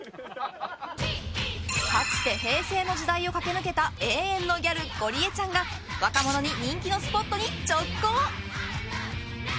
かつて平成の時代を駆け抜けた永遠のギャル、ゴリエちゃんが若者に人気のスポットに直行！